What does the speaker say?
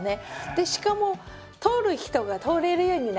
でしかも通る人が通れるようになりますよね。